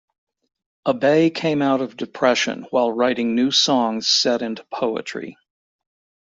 Abay came out of depression while writing new songs set into poetry.